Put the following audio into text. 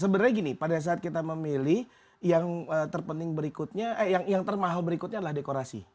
sebenarnya gini pada saat kita memilih yang terpenting berikutnya yang termahal berikutnya adalah dekorasi